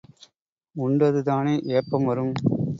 உண்டதுதானே ஏப்பம் வரும்?